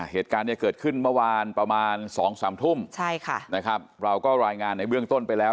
เหตุการณ์เกิดขึ้นเมื่อวานประมาณ๒๓ทุ่มเราก็รายงานในเบื้องต้นไปแล้ว